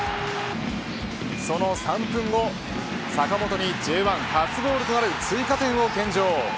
その３分後坂本にＪ１初ゴールとなる追加点を献上。